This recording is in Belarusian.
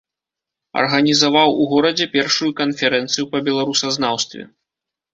Арганізаваў у горадзе першую канферэнцыю па беларусазнаўстве.